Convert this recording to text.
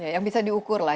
yang bisa diukur lah